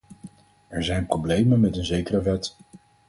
Er zijn problemen met een zekere wet.